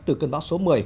từ cơn bão số một mươi